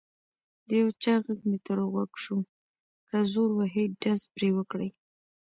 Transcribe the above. د یو چا غږ مې تر غوږ شو: که زور وهي ډز پرې وکړئ.